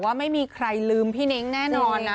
ว่าไม่มีใครลืมพี่นิ้งแน่นอนนะ